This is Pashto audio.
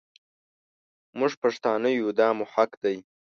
مونږ پښتانه يو دا مو حق دی.